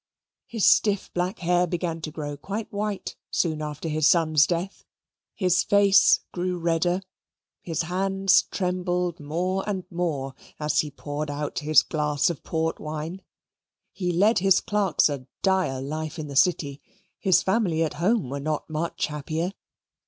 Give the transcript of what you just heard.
His stiff black hair began to grow quite white soon after his son's death; his face grew redder; his hands trembled more and more as he poured out his glass of port wine. He led his clerks a dire life in the City: his family at home were not much happier.